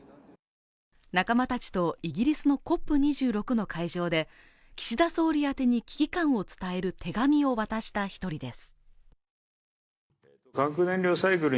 仲間たちとイギリスのＣＯＰ２６の会場で岸田総理宛に危機感を伝える手紙を渡した一人です